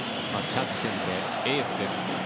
キャプテンでエースです